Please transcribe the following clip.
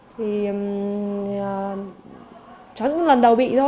thì cháu cũng lần đầu bị thôi